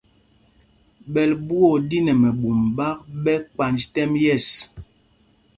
Ɓɛ́l ɓuá o ɗí nɛ mɛbûm ɓák ɓɛ kpanj tɛ́m yɛ̂ɛs.